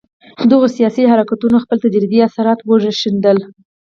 دغو سیاسي حرکتونو خپل تدریجي اثرات وښندل.